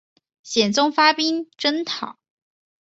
宪宗发兵征讨。